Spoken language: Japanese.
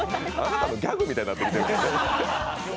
あなたのギャグみたいになってる。